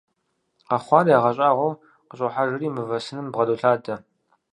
Къэхъуар ягъэщӏагъуэу къыщӏохьэжри мывэ сыным бгъэдолъадэ.